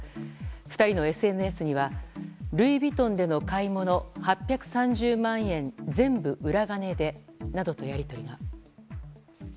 ２人のＳＮＳにはルイ・ヴィトンでの買い物８３０万円全部裏金でなどのやり取りが。